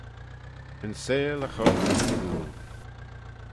Yn seihll y choyrt nyn gooyl.